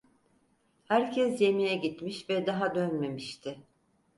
Herkes yemeğe gitmiş ve daha dönmemişti.